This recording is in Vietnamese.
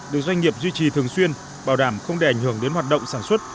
được doanh nghiệp duy trì thường xuyên bảo đảm không để ảnh hưởng đến hoạt động sản xuất